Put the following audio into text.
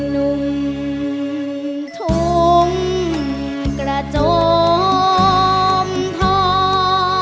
ลุงทุ่มกระจมทอง